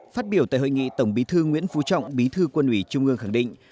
phát biểu tại hội nghị tổng bí thư nguyễn phú trọng bí thư quân ủy trung ương khẳng định